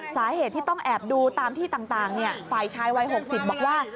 สาเหตุที่ต้องแอบดูตามที่ต่างฝ่ายชายวัย๖๐บอกว่า